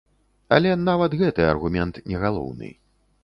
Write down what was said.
Але нават гэты аргумент не галоўны.